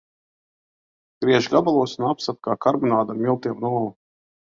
Griež gabalos un apcep kā karbonādi ar miltiem un olu.